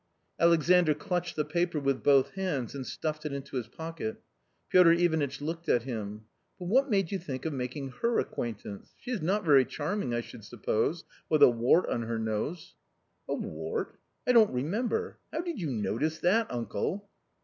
Alexandr clutched the paper with both hands, and stuffed it into his pocket Piotr Ivanitch looked at him. " But what made you think of making her acquaintance ? She is not very charming, I should suppose, with a wart on her nose." " A wart ? I don't remember. How did you notice that, uncle?"